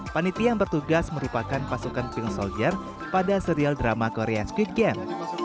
panitia yang bertugas merupakan pasukan pink soldier pada serial drama korea squick game